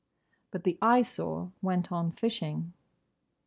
But the Eyesore went on fishing.